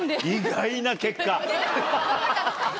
意外な結果。